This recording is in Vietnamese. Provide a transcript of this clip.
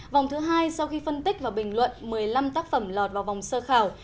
vòng thứ hai sau khi phân tích và bình luận một mươi năm tác phẩm lọt vào vòng sơ khảo